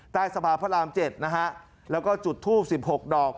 ใต้สะพาพระอาร์ม๗แล้วก็จุดทูป๑๖ดอก